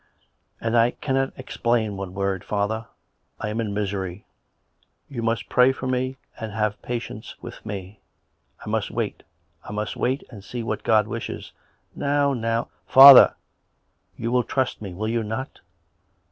" And I cannot explain one word. ... Father, I am in misery. You must pray for me and have patience with me. ... I must wait ... I must wait and see what God wishes." " Now, now ..."" Father, you will trust me, will you not?